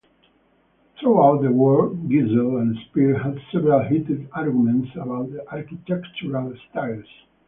Throughout the war, Giesler and Speer had several heated arguments about architectural styles.